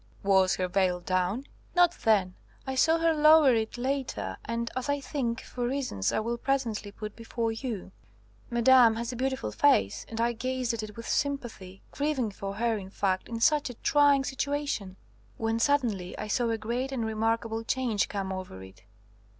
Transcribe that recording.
"Was her veil down?" "Not then. I saw her lower it later, and, as I think, for reasons I will presently put before you. Madame has a beautiful face, and I gazed at it with sympathy, grieving for her, in fact, in such a trying situation; when suddenly I saw a great and remarkable change come over it."